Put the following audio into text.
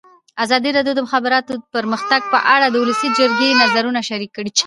ازادي راډیو د د مخابراتو پرمختګ په اړه د ولسي جرګې نظرونه شریک کړي.